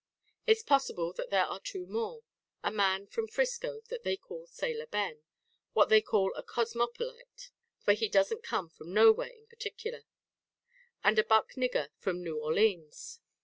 It's possible that there are two more; a man from Frisco that they call Sailor Ben what they call a cosmopolite for he doesn't come from nowhere in particular; and a buck nigger from Noo Orleans.